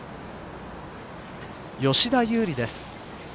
吉田優利です。